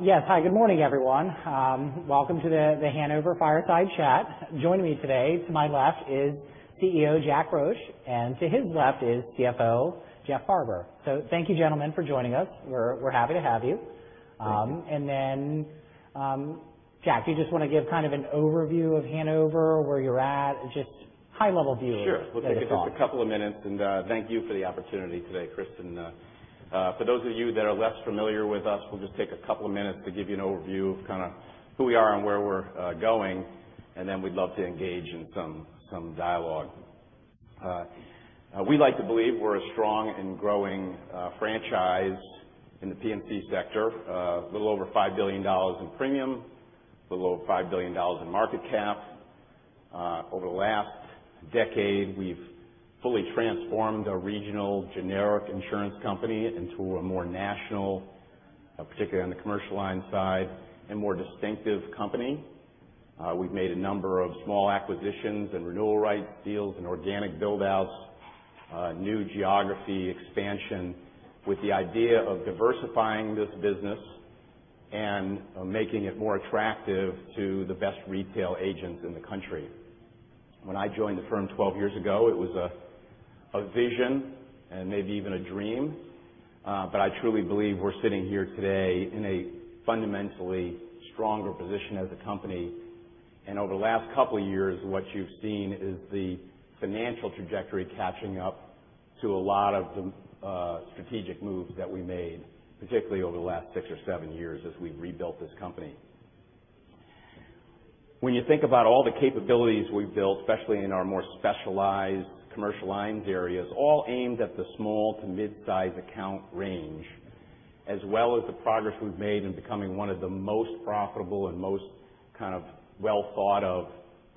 Yes. Hi, good morning, everyone. Welcome to the Hanover Fireside Chat. Joining me today, to my left is CEO Jack Roche, and to his left is CFO Jeff Farber. Thank you, gentlemen, for joining us. We're happy to have you. Thank you. Jack, do you just want to give kind of an overview of Hanover, where you're at, just high level view of where it's going? Sure. We'll take just a couple of minutes, and thank you for the opportunity today, Christian. For those of you that are less familiar with us, we'll just take a couple of minutes to give you an overview of kind of who we are and where we're going. We'd love to engage in some dialogue. We like to believe we're a strong and growing franchise in the P&C sector of a little over $five billion in premium, a little over $five billion in market cap. Over the last decade, we've fully transformed a regional generic insurance company into a more national, particularly on the commercial line side, and more distinctive company. We've made a number of small acquisitions and renewal rights deals and organic build-outs, new geography expansion with the idea of diversifying this business and making it more attractive to the best retail agents in the country. When I joined the firm 12 years ago, it was a vision and maybe even a dream. I truly believe we're sitting here today in a fundamentally stronger position as a company. Over the last couple of years, what you've seen is the financial trajectory catching up to a lot of the strategic moves that we made, particularly over the last six or seven years as we've rebuilt this company. When you think about all the capabilities we've built, especially in our more specialized commercial lines areas, all aimed at the small to mid-size account range, as well as the progress we've made in becoming one of the most profitable and most kind of well thought of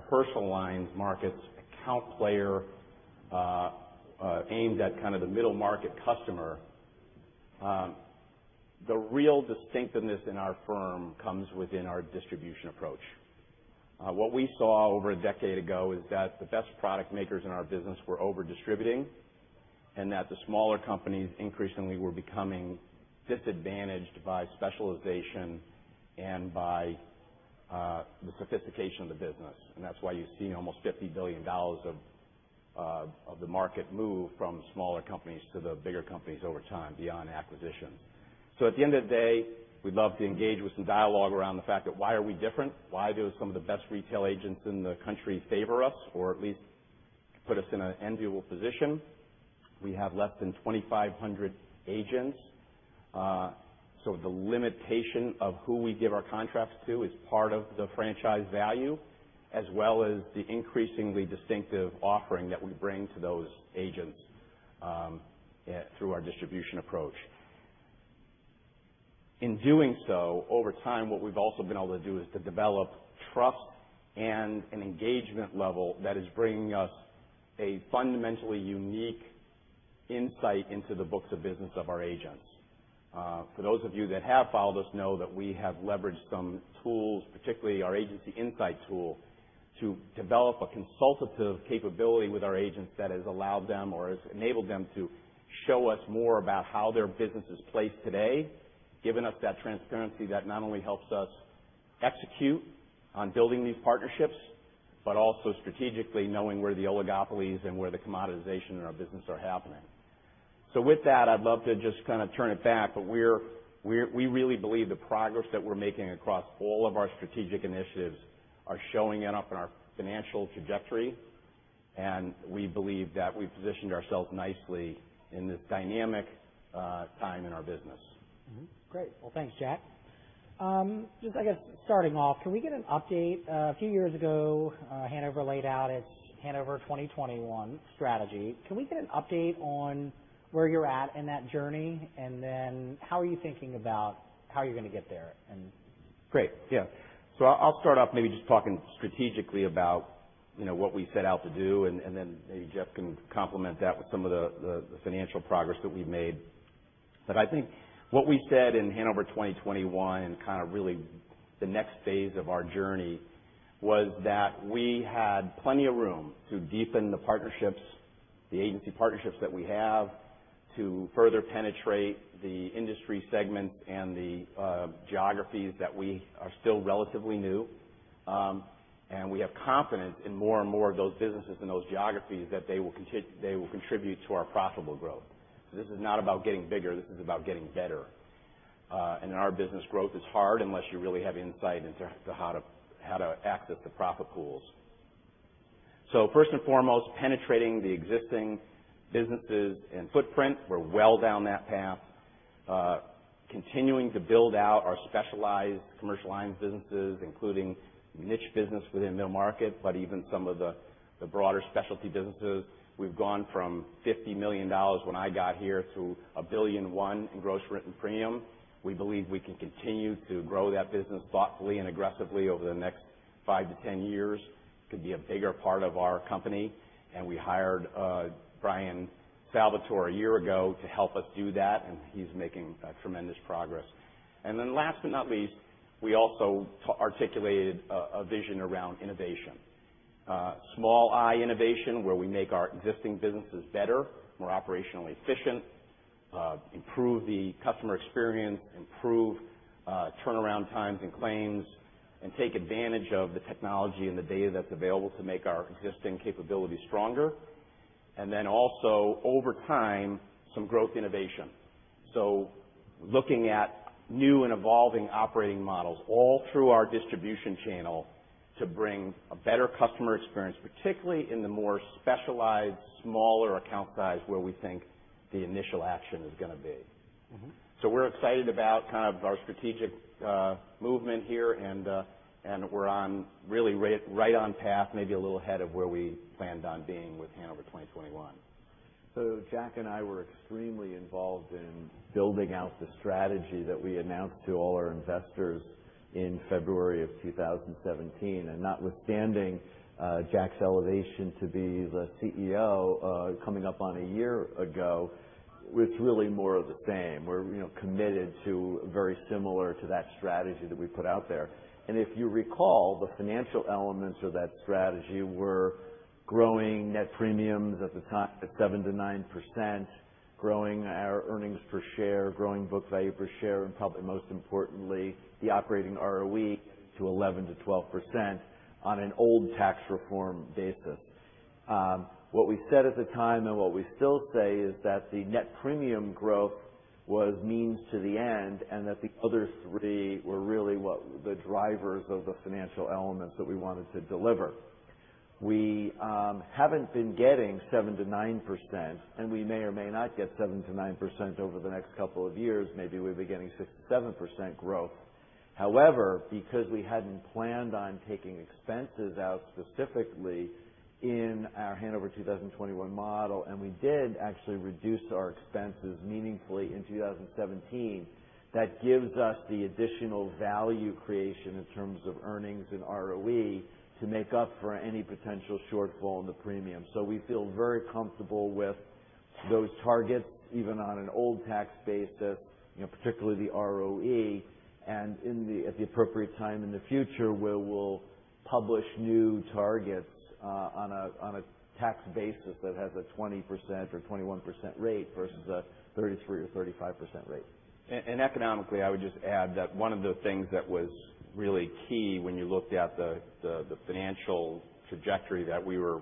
personal lines markets account player, aimed at kind of the middle market customer. The real distinctiveness in our firm comes within our distribution approach. What we saw over a decade ago is that the best product makers in our business were over-distributing, and that the smaller companies increasingly were becoming disadvantaged by specialization and by the sophistication of the business. That's why you've seen almost $50 billion of the market move from smaller companies to the bigger companies over time, beyond acquisition. At the end of the day, we'd love to engage with some dialogue around the fact that why are we different, why do some of the best retail agents in the country favor us, or at least put us in an enviable position. We have less than 2,500 agents. The limitation of who we give our contracts to is part of the franchise value, as well as the increasingly distinctive offering that we bring to those agents through our distribution approach. In doing so, over time, what we've also been able to do is to develop trust and an engagement level that is bringing us a fundamentally unique insight into the books of business of our agents. For those of you that have followed us know that we have leveraged some tools, particularly our Agency Insight tool, to develop a consultative capability with our agents that has allowed them or has enabled them to show us more about how their business is placed today, given us that transparency that not only helps us execute on building these partnerships, but also strategically knowing where the oligopolies and where the commoditization in our business are happening. With that, I'd love to just kind of turn it back, we really believe the progress that we're making across all of our strategic initiatives are showing up in our financial trajectory, we believe that we've positioned ourselves nicely in this dynamic time in our business. Great. Thanks, Jack. Just, I guess, starting off, can we get an update? A few years ago, Hanover laid out its Hanover 2021 strategy. Can we get an update on where you're at in that journey, then how are you thinking about how you're going to get there and Great. I'll start off maybe just talking strategically about what we set out to do, then maybe Jeff can complement that with some of the financial progress that we've made. I think what we said in Hanover 2021 and kind of really the next phase of our journey was that we had plenty of room to deepen the partnerships, the agency partnerships that we have to further penetrate the industry segments and the geographies that we are still relatively new. We have confidence in more and more of those businesses and those geographies that they will contribute to our profitable growth. This is not about getting bigger, this is about getting better. In our business, growth is hard unless you really have insight into how to access the profit pools. First and foremost, penetrating the existing businesses and footprint. We're well down that path. Continuing to build out our specialized commercial lines businesses, including niche business within mid-market, but even some of the broader specialty businesses. We've gone from $50 million when I got here to $1,000,000,001 in gross written premium. We believe we can continue to grow that business thoughtfully and aggressively over the next five to 10 years. Could be a bigger part of our company. We hired Bryan Salvatore a year ago to help us do that, and he's making tremendous progress. Last but not least, we also articulated a vision around innovation. Small I innovation, where we make our existing businesses better, more operationally efficient, improve the customer experience, improve turnaround times and claims, take advantage of the technology and the data that's available to make our existing capabilities stronger. Also, over time, some growth innovation. Looking at new and evolving operating models all through our distribution channel to bring a better customer experience, particularly in the more specialized smaller account size where we think the initial action is going to be. We're excited about our strategic movement here, and we're really right on path, maybe a little ahead of where we planned on being with Hanover 2021. Jack and I were extremely involved in building out the strategy that we announced to all our investors in February of 2017. Notwithstanding Jack's elevation to be the CEO coming up on a year ago, it's really more of the same. We're committed to very similar to that strategy that we put out there. If you recall, the financial elements of that strategy were growing net premiums at the time at 7%-9%, growing our earnings per share, growing book value per share, and probably most importantly, the operating ROE to 11%-12% on an old tax reform basis. What we said at the time, and what we still say, is that the net premium growth was means to the end, and that the other three were really what the drivers of the financial elements that we wanted to deliver. We haven't been getting 7%-9%, and we may or may not get 7%-9% over the next couple of years. Maybe we'll be getting 6%-7% growth. However, because we hadn't planned on taking expenses out specifically in our Hanover 2021 model, and we did actually reduce our expenses meaningfully in 2017, that gives us the additional value creation in terms of earnings and ROE to make up for any potential shortfall in the premium. We feel very comfortable with those targets, even on an old tax basis, particularly the ROE. At the appropriate time in the future, we will publish new targets on a tax basis that has a 20% or 21% rate versus a 33% or 35% rate. Economically, I would just add that one of the things that was really key when you looked at the financial trajectory that we were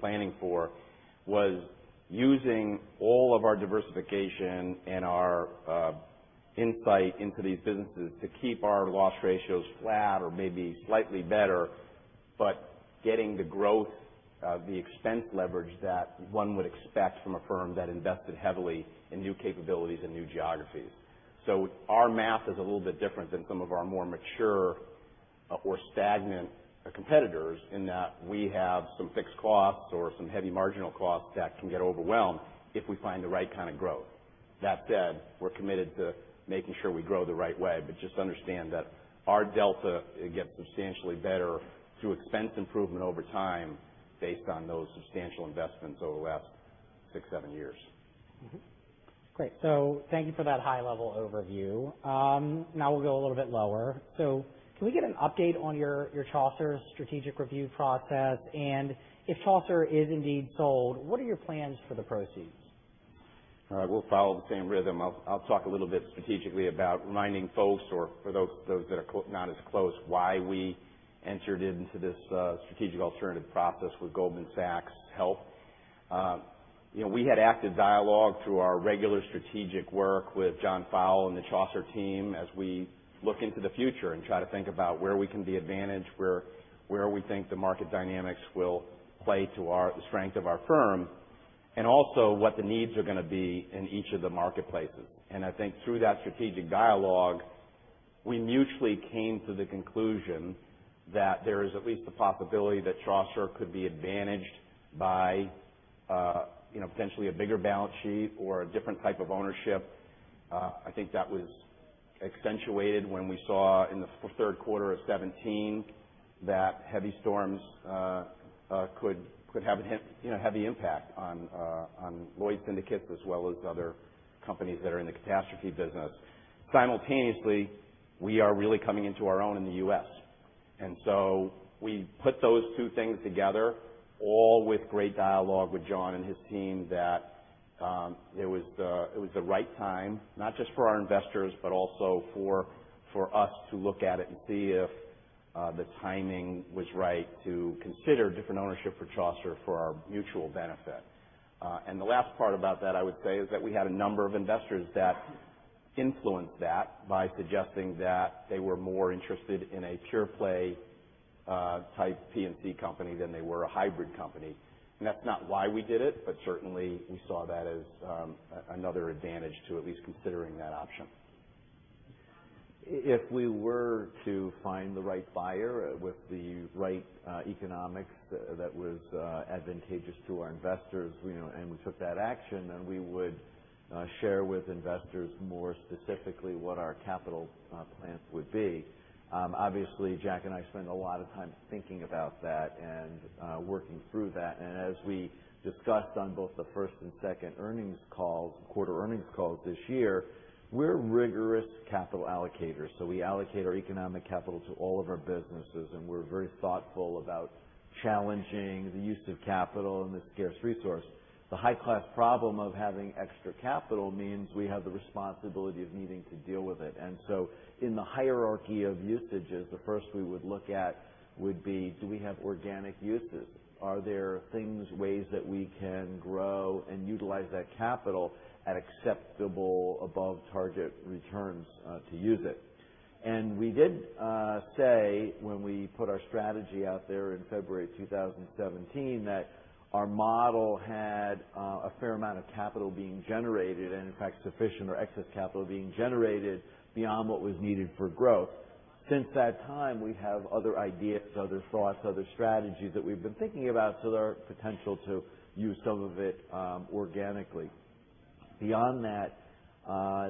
planning for, was using all of our diversification and our insight into these businesses to keep our loss ratios flat or maybe slightly better, but getting the growth, the expense leverage that one would expect from a firm that invested heavily in new capabilities and new geographies. Our math is a little bit different than some of our more mature or stagnant competitors in that we have some fixed costs or some heavy marginal costs that can get overwhelmed if we find the right kind of growth. That said, we're committed to making sure we grow the right way, but just understand that our delta, it gets substantially better through expense improvement over time based on those substantial investments over the last six, seven years. Mm-hmm. Great. Thank you for that high level overview. Now we'll go a little bit lower. Can we get an update on your Chaucer strategic review process? If Chaucer is indeed sold, what are your plans for the proceeds? All right. We'll follow the same rhythm. I'll talk a little bit strategically about reminding folks, or for those that are not as close, why we entered into this strategic alternative process with Goldman Sachs' help. We had active dialogue through our regular strategic work with John Fowle and the Chaucer team as we look into the future and try to think about where we can be advantaged, where we think the market dynamics will play to the strength of our firm, and also what the needs are going to be in each of the marketplaces. I think through that strategic dialogue, we mutually came to the conclusion that there is at least the possibility that Chaucer could be advantaged by potentially a bigger balance sheet or a different type of ownership. I think that was accentuated when we saw in the third quarter of 2017 that heavy storms could have a heavy impact on Lloyd's syndicates, as well as other companies that are in the catastrophe business. Simultaneously, we are really coming into our own in the U.S. We put those two things together, all with great dialogue with John and his team, that it was the right time, not just for our investors, but also for us to look at it and see if the timing was right to consider different ownership for Chaucer for our mutual benefit. The last part about that, I would say, is that we had a number of investors that influenced that by suggesting that they were more interested in a pure play type P&C company than they were a hybrid company. That's not why we did it, but certainly we saw that as another advantage to at least considering that option. If we were to find the right buyer with the right economics that was advantageous to our investors, we took that action, then we would share with investors more specifically what our capital plans would be. Obviously, Jack and I spend a lot of time thinking about that and working through that. As we discussed on both the first and second quarter earnings calls this year, we're rigorous capital allocators. We allocate our economic capital to all of our businesses, and we're very thoughtful about challenging the use of capital and this scarce resource. The high-class problem of having extra capital means we have the responsibility of needing to deal with it. In the hierarchy of usages, the first we would look at would be, do we have organic uses? Are there things, ways that we can grow and utilize that capital at acceptable above-target returns to use it? We did say when we put our strategy out there in February 2017, that our model had a fair amount of capital being generated and in fact, sufficient or excess capital being generated beyond what was needed for growth. Since that time, we have other ideas, other thoughts, other strategies that we've been thinking about, so there are potential to use some of it organically. Beyond that,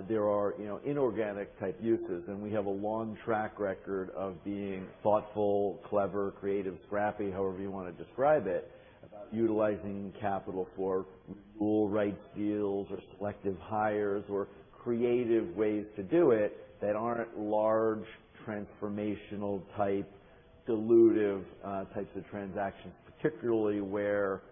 there are inorganic type uses, and we have a long track record of being thoughtful, clever, creative, scrappy, however you want to describe it, about utilizing capital for full rights deals or selective hires or creative ways to do it that aren't large transformational type, dilutive types of transactions. Particularly where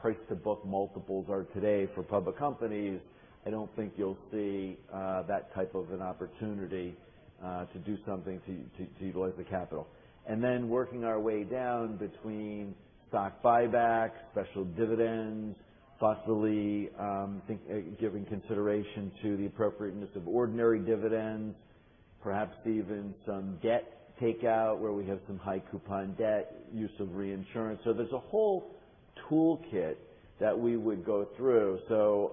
price to book multiples are today for public companies, I don't think you'll see that type of an opportunity to do something to utilize the capital. Then working our way down between stock buybacks, special dividends, possibly giving consideration to the appropriateness of ordinary dividends, perhaps even some debt takeout where we have some high coupon debt, use of reinsurance. There's a whole toolkit that we would go through.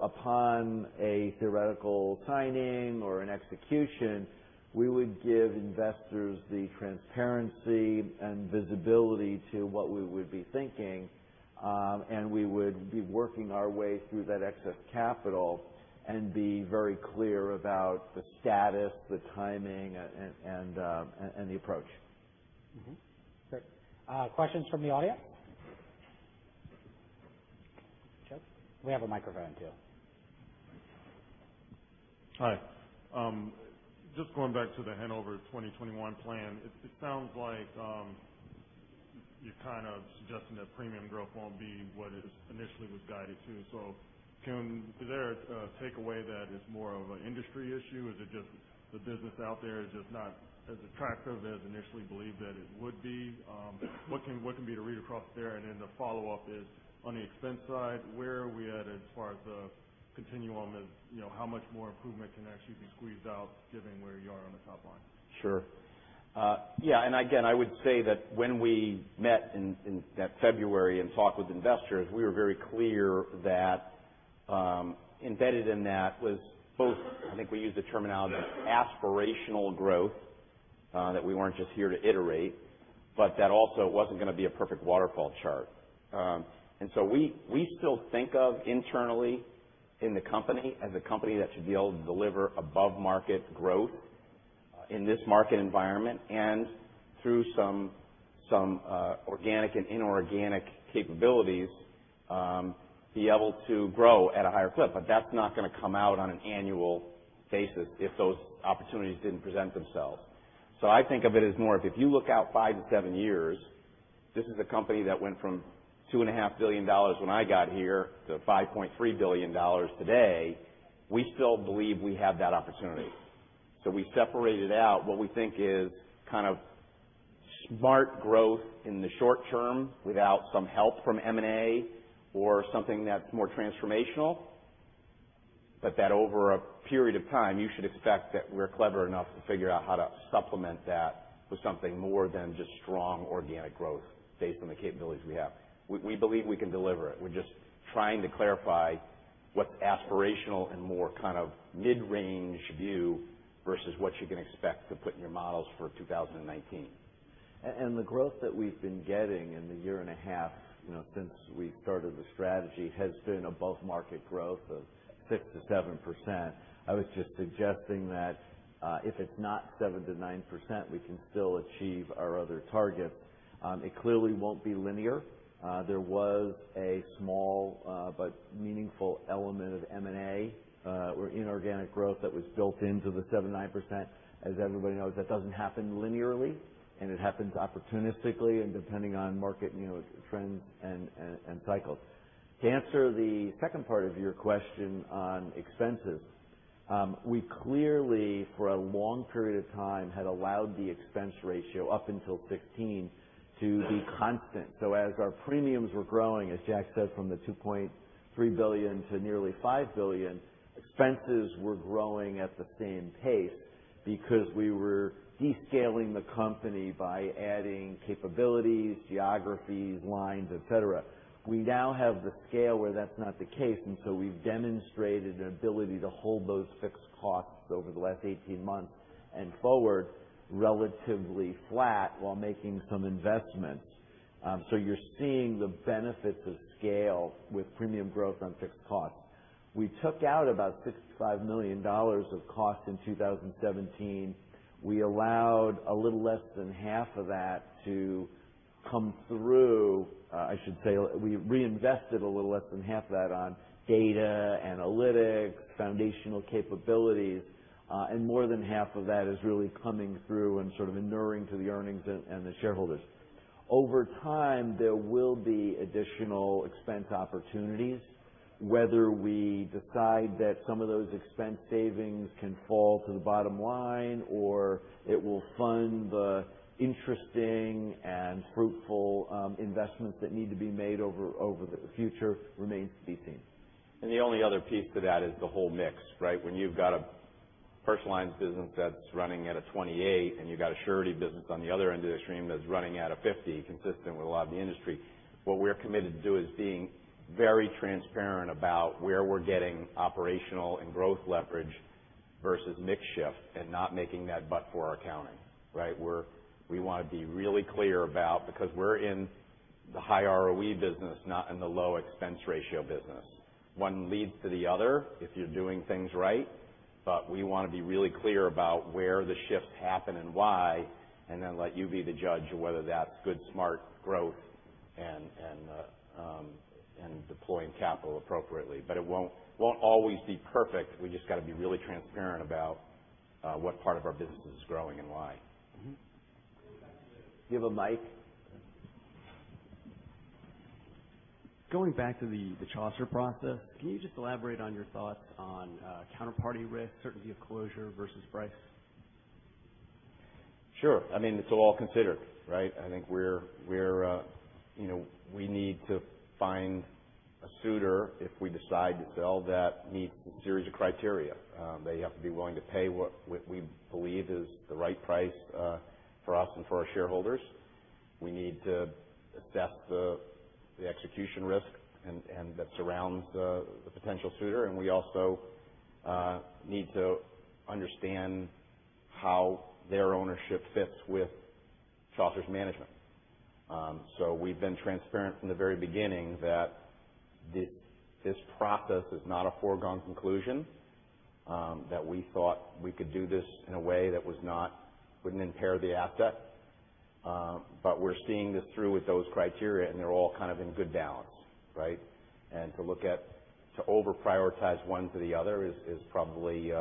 Upon a theoretical signing or an execution, we would give investors the transparency and visibility to what we would be thinking, and we would be working our way through that excess capital and be very clear about the status, the timing, and the approach. Great. Questions from the audience? Joe. We have a microphone too. Hi. Just going back to the Hanover 2021 plan, it sounds like you're kind of suggesting that premium growth won't be what it initially was guided to. Can there take away that as more of an industry issue? Is it just the business out there is just not as attractive as initially believed that it would be? What can be the read across there? The follow-up is on the expense side, where are we at as far as the continuum of how much more improvement can actually be squeezed out given where you are on the top line? Sure. Again, I would say that when we met in that February and talked with investors, we were very clear that embedded in that was both, I think we used the terminology aspirational growth, that we weren't just here to iterate, that also wasn't going to be a perfect waterfall chart. We still think of internally in the company as a company that should be able to deliver above-market growth in this market environment and through some organic and inorganic capabilities, be able to grow at a higher clip. That's not going to come out on an annual basis if those opportunities didn't present themselves. I think of it as more if you look out 5-7 years, this is a company that went from $2.5 billion when I got here to $5.3 billion today. We still believe we have that opportunity. We separated out what we think is kind of smart growth in the short term without some help from M&A or something that's more transformational. That over a period of time, you should expect that we're clever enough to figure out how to supplement that with something more than just strong organic growth based on the capabilities we have. We believe we can deliver it. We're just trying to clarify what's aspirational and more kind of mid-range view versus what you can expect to put in your models for 2019. The growth that we've been getting in the year and a half since we started the strategy has been above market growth of 6%-7%. I was just suggesting that if it's not 7%-9%, we can still achieve our other targets. It clearly won't be linear. There was a small but meaningful element of M&A, or inorganic growth that was built into the 7%-9%. As everybody knows, that doesn't happen linearly, it happens opportunistically and depending on market trends and cycles. To answer the second part of your question on expenses. We clearly, for a long period of time, had allowed the expense ratio up until 2016 to be constant. As our premiums were growing, as Jack said, from the $2.3 billion to nearly $5 billion, expenses were growing at the same pace because we were descaling the company by adding capabilities, geographies, lines, et cetera. We now have the scale where that's not the case, we've demonstrated an ability to hold those fixed costs over the last 18 months and forward relatively flat while making some investments. You're seeing the benefits of scale with premium growth on fixed costs. We took out about $65 million of cost in 2017. We allowed a little less than half of that to come through. I should say we reinvested a little less than half that on data, analytics, foundational capabilities, and more than half of that is really coming through and enuring to the earnings and the shareholders. Over time, there will be additional expense opportunities. Whether we decide that some of those expense savings can fall to the bottom line or it will fund the interesting and fruitful investments that need to be made over the future remains to be seen. The only other piece to that is the whole mix, right? When you've got a personal lines business that's running at a 28% and you've got a surety business on the other end of the extreme that's running at a 50%, consistent with a lot of the industry, what we're committed to do is being very transparent about where we're getting operational and growth leverage versus mix shift and not making that but for our accounting, right? We want to be really clear about because we're in the high ROE business, not in the low expense ratio business. One leads to the other if you're doing things right, but we want to be really clear about where the shifts happen and why, and then let you be the judge of whether that's good, smart growth and deploying capital appropriately. It won't always be perfect. We just got to be really transparent about what part of our business is growing and why. Do you have a mic? Going back to the Chaucer process, can you just elaborate on your thoughts on counterparty risk, certainty of closure versus price? Sure. It's all considered, right? I think we need to find a suitor if we decide to sell that meets a series of criteria. They have to be willing to pay what we believe is the right price for us and for our shareholders. We need to assess the execution risk and that surrounds the potential suitor, and we also need to understand how their ownership fits with Chaucer's management. We've been transparent from the very beginning that this process is not a foregone conclusion that we thought we could do this in a way that wouldn't impair the asset. We're seeing this through with those criteria, and they're all in good balance, right? To over prioritize one to the other is probably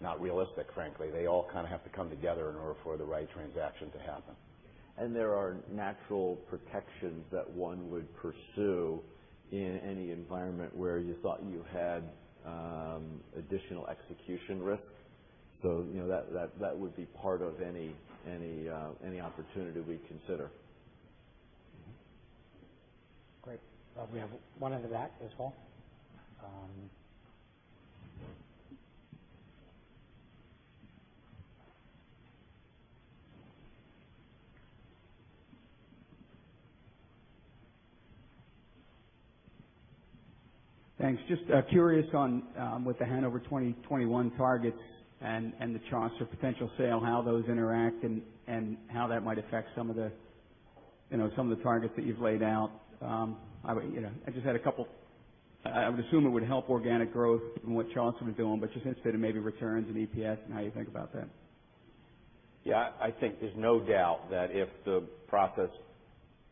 not realistic, frankly. They all have to come together in order for the right transaction to happen. There are natural protections that one would pursue in any environment where you thought you had additional execution risk. That would be part of any opportunity we'd consider. Great. We have one in the back as well. Thanks. Just curious on with the Hanover 2021 targets and the Chaucer potential sale, how those interact and how that might affect some of the targets that you've laid out. I would assume it would help organic growth given what Chaucer was doing, but just interested in maybe returns and EPS and how you think about that. Yeah, I think there's no doubt that if the process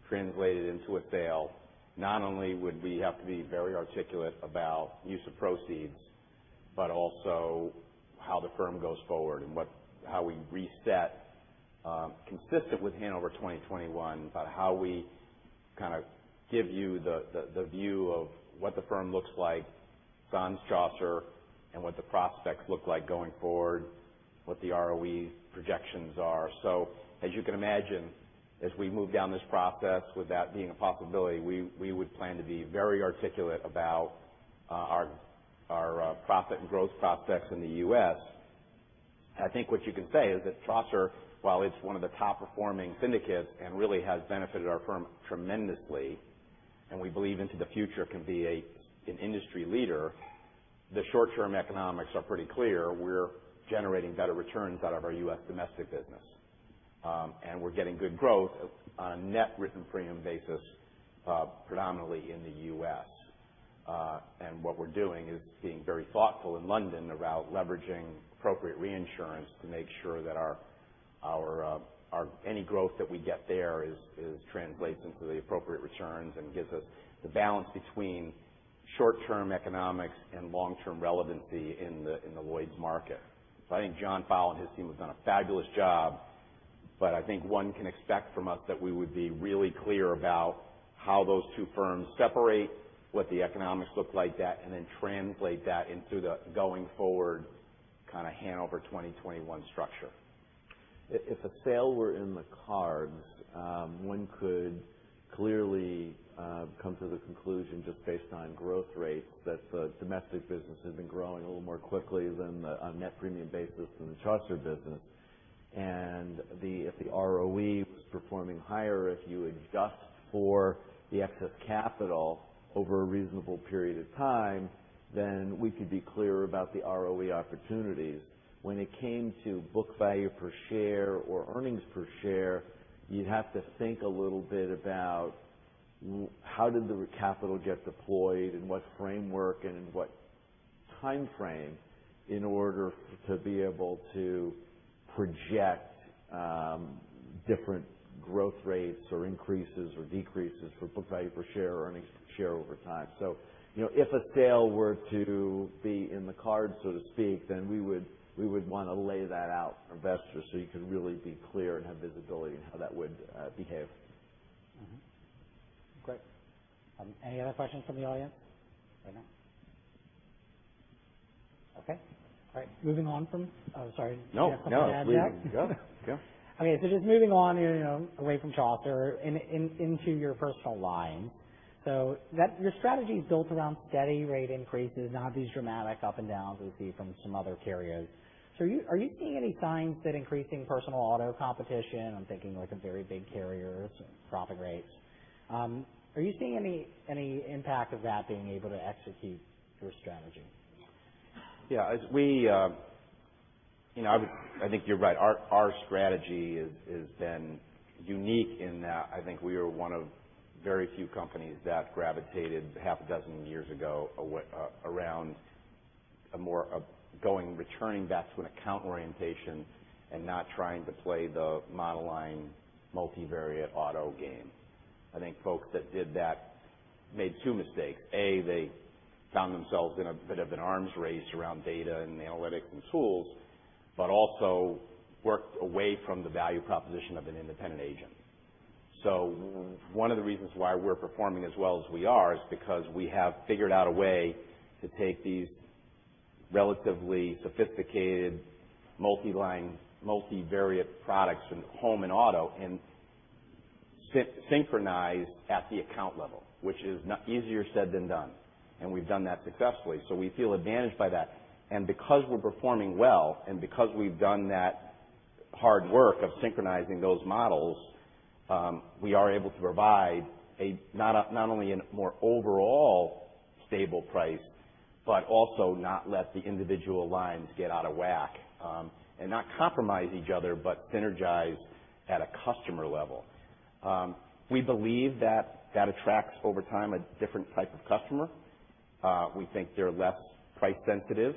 translated into a sale, not only would we have to be very articulate about use of proceeds, but also how the firm goes forward and how we reset, consistent with Hanover 2021, but how we give you the view of what the firm looks like sans Chaucer, and what the prospects look like going forward, what the ROE projections are. As you can imagine, as we move down this process with that being a possibility, we would plan to be very articulate about our profit and growth prospects in the U.S. I think what you can say is that Chaucer, while it's one of the top performing syndicates and really has benefited our firm tremendously, and we believe into the future can be an industry leader, the short term economics are pretty clear. We're generating better returns out of our U.S. domestic business. We're getting good growth on a net written premium basis predominantly in the U.S. What we're doing is being very thoughtful in London about leveraging appropriate reinsurance to make sure that any growth that we get there translates into the appropriate returns and gives us the balance between short term economics and long term relevancy in the Lloyd's market. I think John Fowle and his team have done a fabulous job, I think one can expect from us that we would be really clear about how those two firms separate what the economics look like that, then translate that into the going forward kind of Hanover 2021 structure. If a sale were in the cards, one could clearly come to the conclusion just based on growth rates that the domestic business has been growing a little more quickly than the net premium basis than the Chaucer business. If the ROE was performing higher if you adjust for the excess capital over a reasonable period of time, then we could be clearer about the ROE opportunities. When it came to book value per share or earnings per share, you'd have to think a little bit about how did the capital get deployed and what framework and what Timeframe in order to be able to project different growth rates or increases or decreases for book value per share, earnings per share over time. If a sale were to be in the cards, so to speak, then we would want to lay that out for investors so you can really be clear and have visibility into how that would behave. Great. Any other questions from the audience right now? Okay. All right. Oh, sorry. No, please. Go. Okay. Just moving on away from Chaucer in, into your personal line. Your strategy is built around steady rate increases, not these dramatic up and downs we see from some other carriers. Are you seeing any signs that increasing personal auto competition, I'm thinking like the very big carriers and profit rates, are you seeing any impact of that being able to execute your strategy? Yeah. I think you're right. Our strategy has been unique in that I think we are one of very few companies that gravitated half a dozen years ago around returning back to an account orientation and not trying to play the monoline multivariate auto game. I think folks that did that made two mistakes. A, they found themselves in a bit of an arms race around data and analytics and tools, but also worked away from the value proposition of an independent agent. One of the reasons why we're performing as well as we are is because we have figured out a way to take these relatively sophisticated multi-line, multivariate products from home and auto, and synchronize at the account level, which is easier said than done, and we've done that successfully. We feel advantaged by that. Because we're performing well, and because we've done that hard work of synchronizing those models, we are able to provide not only a more overall stable price, but also not let the individual lines get out of whack. Not compromise each other, but synergize at a customer level. We believe that attracts over time a different type of customer. We think they're less price sensitive,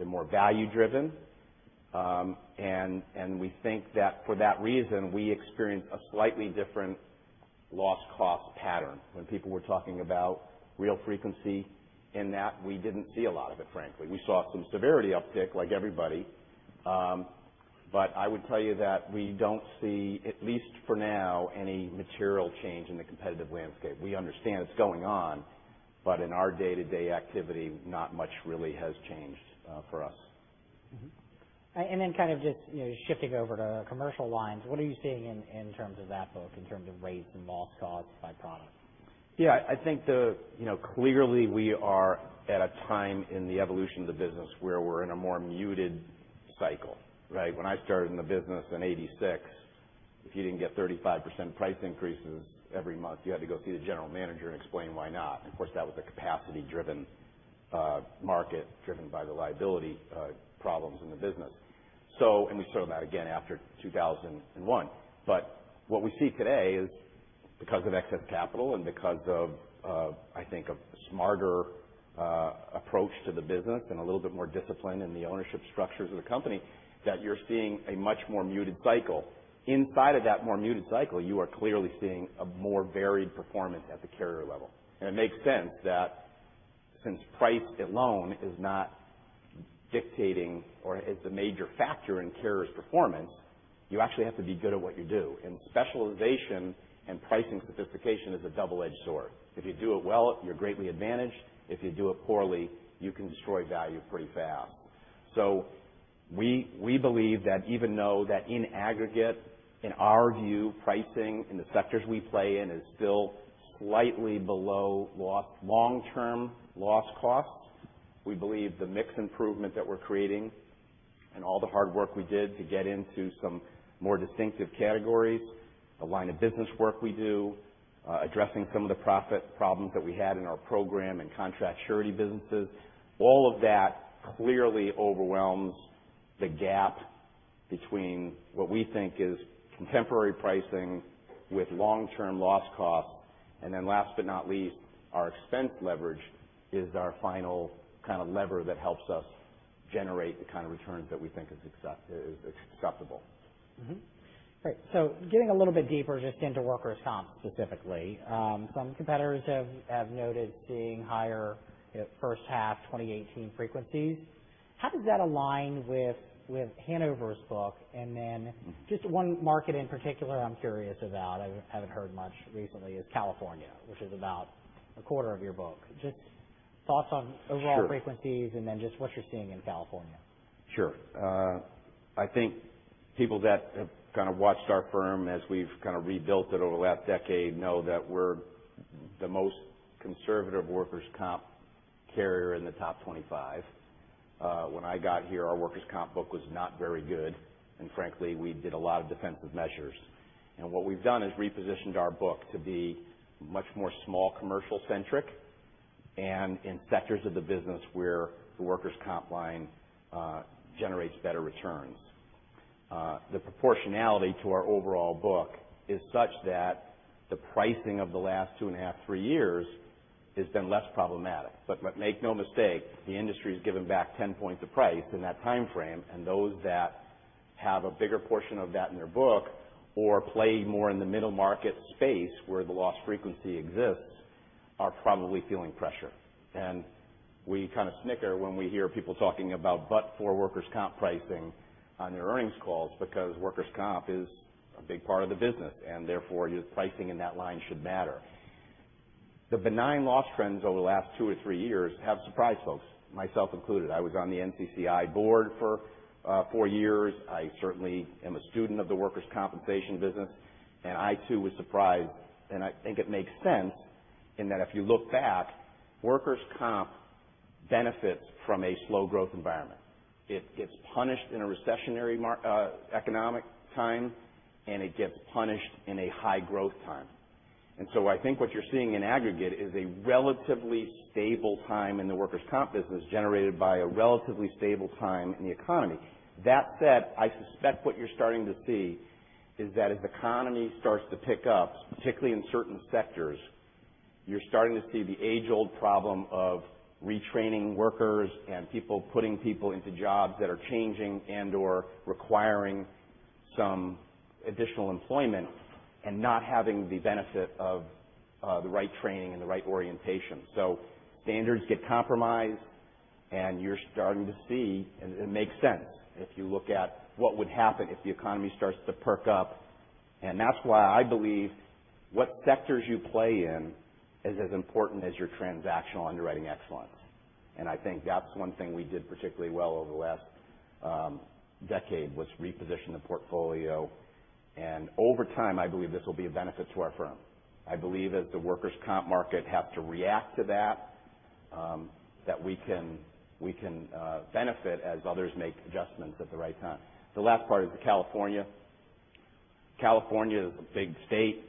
they're more value driven. We think that for that reason, we experience a slightly different loss cost pattern. When people were talking about real frequency in that, we didn't see a lot of it, frankly. We saw some severity uptick like everybody. I would tell you that we don't see, at least for now, any material change in the competitive landscape. We understand it's going on, but in our day-to-day activity, not much really has changed for us. Then kind of just shifting over to commercial lines, what are you seeing in terms of that book, in terms of rates and loss costs by product? I think clearly we are at a time in the evolution of the business where we're in a more muted cycle, right? When I started in the business in 1986, if you didn't get 35% price increases every month, you had to go see the general manager and explain why not. Of course, that was a capacity driven market, driven by the liability problems in the business. We saw that again after 2001. What we see today is because of excess capital and because of, I think, a smarter approach to the business and a little bit more discipline in the ownership structures of the company, that you're seeing a much more muted cycle. Inside of that more muted cycle, you are clearly seeing a more varied performance at the carrier level. It makes sense that since price alone is not dictating or is the major factor in carriers' performance, you actually have to be good at what you do. Specialization and pricing sophistication is a double-edged sword. If you do it well, you're greatly advantaged. If you do it poorly, you can destroy value pretty fast. We believe that even though that in aggregate, in our view, pricing in the sectors we play in is still slightly below long-term loss costs, we believe the mix improvement that we're creating and all the hard work we did to get into some more distinctive categories, the line of business work we do, addressing some of the profit problems that we had in our program and contract surety businesses, all of that clearly overwhelms the gap between what we think is contemporary pricing with long-term loss cost. Then last but not least, our expense leverage is our final lever that helps us generate the kind of returns that we think is acceptable. Mm-hmm. Great. Getting a little bit deeper just into workers' comp specifically. Some competitors have noted seeing higher first half 2018 frequencies. How does that align with Hanover's book? Then just one market in particular I'm curious about, I haven't heard much recently, is California, which is about a quarter of your book. Just thoughts on overall frequencies. Sure Just what you're seeing in California? Sure. I think people that have watched our firm as we've kind of rebuilt it over the last decade know that we're the most conservative workers' comp carrier in the top 25. When I got here, our workers' comp book was not very good, and frankly, we did a lot of defensive measures. What we've done is repositioned our book to be much more small commercial centric, and in sectors of the business where the workers' comp line generates better returns. The proportionality to our overall book is such that the pricing of the last two and a half, three years has been less problematic. Make no mistake, the industry's given back 10 points of price in that timeframe, and those that have a bigger portion of that in their book or play more in the mid-market space, where the loss frequency exists, are probably feeling pressure. We kind of snicker when we hear people talking about but for workers' comp pricing on their earnings calls, because workers' comp is a big part of the business, and therefore your pricing in that line should matter. The benign loss trends over the last two or three years have surprised folks, myself included. I was on the NCCI board for four years. I certainly am a student of the workers' compensation business. I too was surprised, and I think it makes sense in that if you look back, workers' comp benefits from a slow growth environment. It gets punished in a recessionary economic time, and it gets punished in a high growth time. I think what you're seeing in aggregate is a relatively stable time in the workers' comp business generated by a relatively stable time in the economy. That said, I suspect what you're starting to see is that as economy starts to pick up, particularly in certain sectors, you're starting to see the age-old problem of retraining workers and people putting people into jobs that are changing and/or requiring some additional employment and not having the benefit of the right training and the right orientation. Standards get compromised, and you're starting to see, and it makes sense if you look at what would happen if the economy starts to perk up. That's why I believe what sectors you play in is as important as your transactional underwriting excellence. I think that's one thing we did particularly well over the last decade was reposition the portfolio. Over time, I believe this will be a benefit to our firm. I believe as the workers' comp market have to react to that we can benefit as others make adjustments at the right time. The last part is California. California is a big state.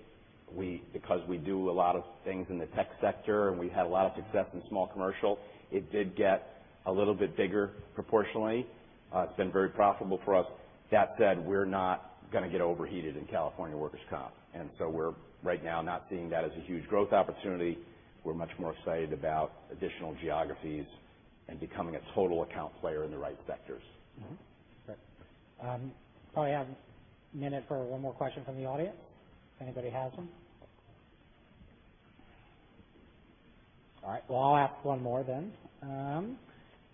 Because we do a lot of things in the tech sector and we had a lot of success in small commercial, it did get a little bit bigger proportionally. It's been very profitable for us. That said, we're not going to get overheated in California workers' comp. We're right now not seeing that as a huge growth opportunity. We're much more excited about additional geographies and becoming a total account player in the right sectors. Great. Probably have a minute for one more question from the audience if anybody has them. All right, well, I'll ask one more then.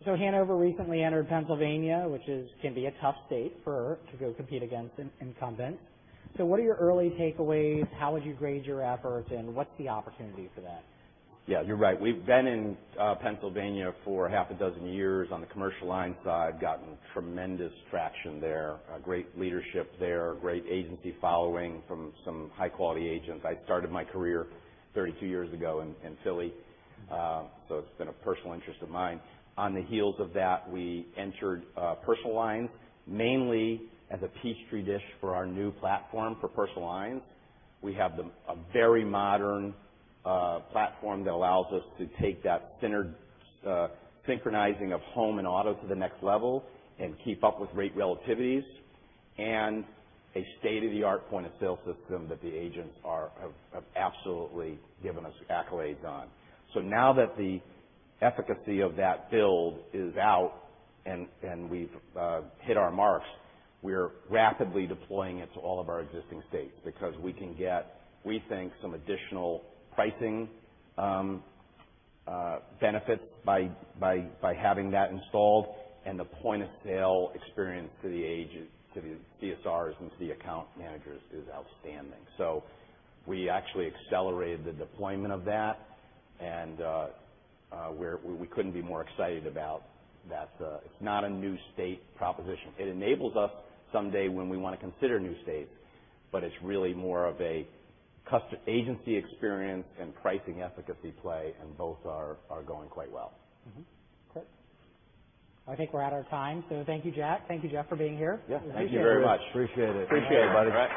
Hanover recently entered Pennsylvania, which can be a tough state for her to go compete against an incumbent. So what are your early takeaways? How would you grade your efforts, and what's the opportunity for that? Yeah, you're right. We've been in Pennsylvania for half a dozen years on the commercial lines side, gotten tremendous traction there. Great leadership there, great agency following from some high quality agents. I started my career 32 years ago in Philly, so it's been a personal interest of mine. On the heels of that, we entered personal lines mainly as a petri dish for our new platform for personal lines. We have a very modern platform that allows us to take that synchronizing of home and auto to the next level and keep up with rate relativities and a state-of-the-art point-of-sale system that the agents have absolutely given us accolades on. Now that the efficacy of that build is out and we've hit our marks, we're rapidly deploying it to all of our existing states because we can get, we think, some additional pricing benefits by having that installed. The point-of-sale experience to the CSRs and to the account managers is outstanding. We actually accelerated the deployment of that, and we couldn't be more excited about that. It's not a new state proposition. It enables us someday when we want to consider new states, but it's really more of a agency experience and pricing efficacy play, and both are going quite well. Mm-hmm. Great. I think we're out of time. Thank you, Jack. Thank you, Jeff, for being here. Yeah. Thank you very much. Appreciate it. Appreciate it, buddy.